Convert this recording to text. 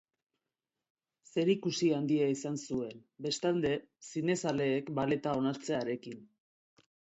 Zerikusi handia izan zuen, bestalde, zine zaleek balleta onartzearekin.